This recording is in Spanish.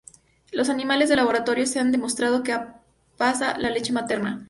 En animales de laboratorio se ha demostrado que pasa a leche materna.